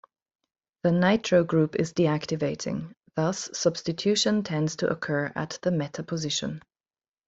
The nitro- group is deactivating, thus substitution tends to occur at the "meta"-position.